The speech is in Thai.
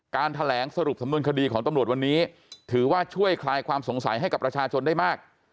การแถลงสรุปสำนวนคดีของตำรวจวันนี้ถือว่าช่วยคลายความสงสัยให้กับประชาชนได้มาก